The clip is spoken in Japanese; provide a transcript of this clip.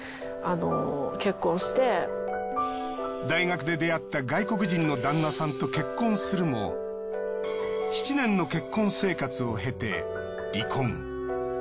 大学で出会った外国人の旦那さんと結婚するも７年の結婚生活を経て離婚。